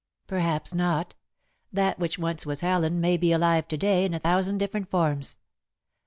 "Perhaps not. That which once was Helen may be alive to day in a thousand different forms.